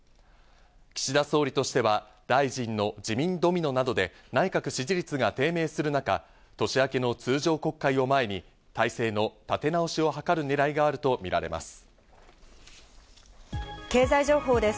岸田総理としては大臣の辞任ドミノなどで内閣支持率が低迷する中、年明けの通常国会を前に、体制の立て直しを図るねらいがあるとみられます。